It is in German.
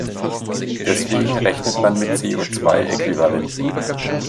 Deswegen rechnet man mit CO-zwei-Äquivalenten.